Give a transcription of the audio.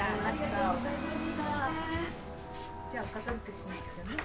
ありがとうございます。